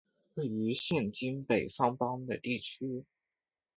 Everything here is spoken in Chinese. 位于现今北方邦的地区。